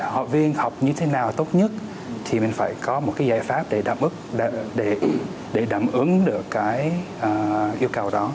học viên học như thế nào tốt nhất thì mình phải có một giải pháp để đảm ứng được cái yêu cầu đó